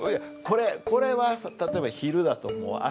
これこれは例えば昼だと思う？